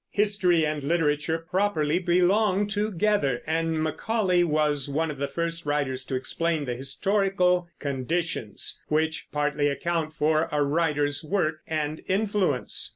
History and literature properly belong together, and Macaulay was one of the first writers to explain the historical conditions which partly account for a writer's work and influence.